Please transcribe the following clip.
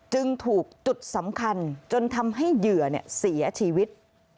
จึงถูกจุดสำคัญจนทำให้เหยื่อเสียชีวิต